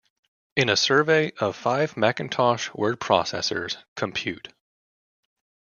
In a survey of five Macintosh word processors, Compute!